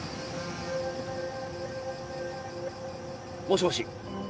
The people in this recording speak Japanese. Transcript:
もしもし。